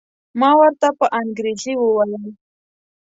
ما ورته په انګریزي وویل.